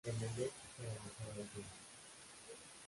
Emelec para avanzar a la final.